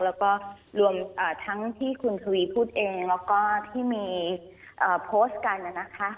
แล้วก็รวมทั้งที่คุณทวีพูดเองแล้วก็ที่มีโพสต์กันนะคะ